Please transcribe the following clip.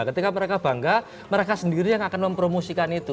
ketika mereka bangga mereka sendiri yang akan mempromosikan itu